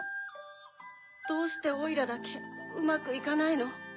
どうしてオイラだけうまくいかないの？